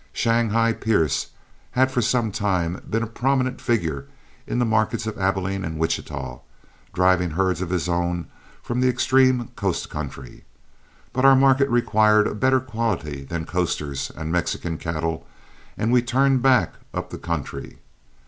"Shanghai" Pierce had for some time been a prominent figure in the markets of Abilene and Wichita, driving herds of his own from the extreme coast country. But our market required a better quality than coasters and Mexican cattle, and we turned back up the country.